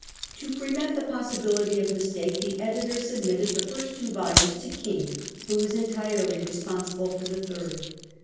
To prevent the possibility of mistake the editor submitted the first two volumes to King, who was entirely re sponsible for the third.